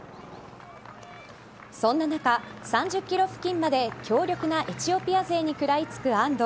そんな中、３０ｋｍ付近まで強力なエチオピア勢に食らいつく安藤。